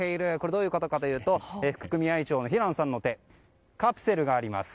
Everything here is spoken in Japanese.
どういうことかというと組合長の平野さんの手にカプセルがあります。